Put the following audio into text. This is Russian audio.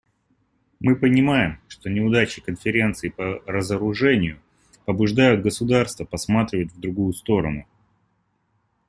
Мы понимаем, что неудачи Конференции по разоружению побуждают государства посматривать в другую сторону.